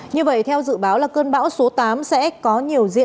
như vậy theo dự báo là cơn bão số tám sẽ có nhiều diễn